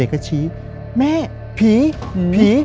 เด็กก็ชี้แม่ผีผี